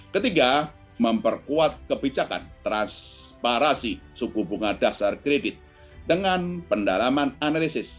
ketiga memperkuat kebijakan transparasi suku bunga dasar kredit dengan pendalaman analisis